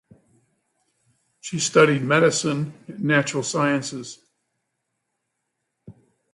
She studied medicine and natural sciences.